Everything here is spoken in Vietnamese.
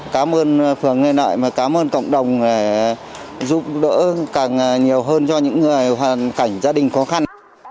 cảm ơn phường lê lợi và cảm ơn cộng đồng đã giúp đỡ càng nhiều hơn cho những hoàn cảnh gia đình có khăn